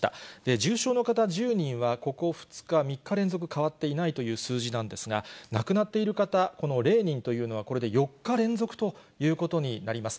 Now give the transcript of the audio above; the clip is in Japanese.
重症の方１０人は、ここ２日、３日連続変わっていないという数字なんですが、亡くなっている方、０人というのはこれで４日連続ということになります。